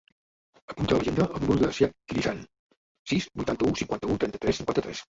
Apunta a l'agenda el número del Ziad Crisan: sis, vuitanta-u, cinquanta-u, trenta-tres, cinquanta-tres.